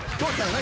何？